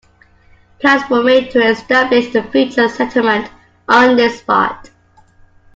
Plans were made to establish a future settlement on this spot.